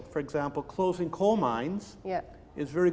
contohnya penutupan minyak perang